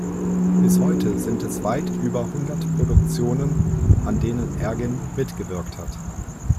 Bis heute sind es weit über hundert Produktionen, an denen Ergin mitgewirkt hat.